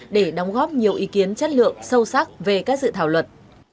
để đóng góp nhiều ý kiến chất lượng sâu sắc về các dự thảo luật